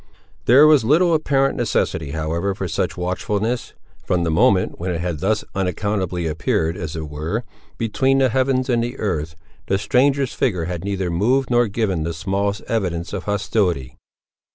There was little apparent necessity, however, for such watchfulness. From the moment when it had thus unaccountably appeared, as it were, between the heavens and the earth, the stranger's figure had neither moved nor given the smallest evidence of hostility.